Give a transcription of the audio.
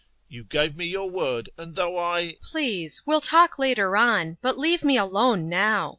You gave me your word, and though I... DUNYASHA. Please, we'll talk later on, but leave me alone now.